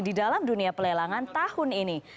di dalam dunia pelelangan tahun ini